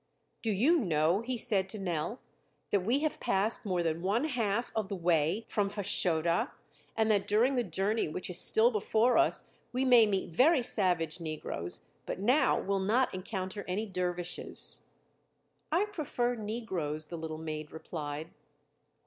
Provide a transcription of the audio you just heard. "Do you know," he said to Nell, "that we have passed more than one half of the way from Fashoda, and that during the journey which is still before us we may meet very savage negroes, but now will not encounter any dervishes." "I prefer negroes," the little maid replied.